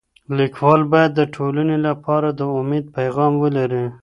ليکوال بايد د ټولني لپاره د اميد پيغام ولري.